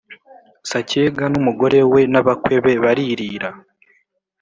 Sacyega n'umugore we n'abakwe be baririra,